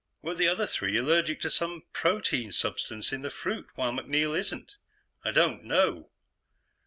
"Were the other three allergic to some protein substance in the fruit, while MacNeil isn't? I don't know.